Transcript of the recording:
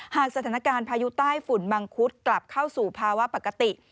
หากสถานการณ์พายุใต้ฝุ่นมังคุดกลับเข้าสู่ภาวะปกติ